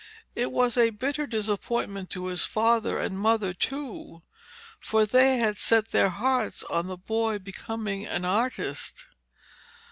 It was a bitter disappointment to his father and mother too, for they had set their hearts on the boy becoming an artist.